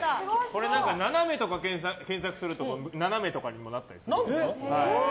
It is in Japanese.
これ斜めとか検索すると斜めとかにもなったりします。